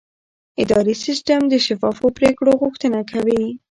اداري سیستم د شفافو پریکړو غوښتنه کوي.